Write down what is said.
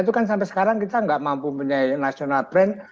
itu kan sampai sekarang kita nggak mampu punya national brand